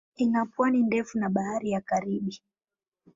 Ina pwani ndefu na Bahari ya Karibi.